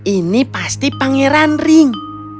ini pasti pangeran ring